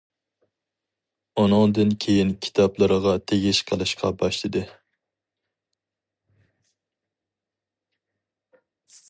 ئۇنىڭدىن كىيىن كىتابلىرىغا تېگىش قىلىشقا باشلىدى.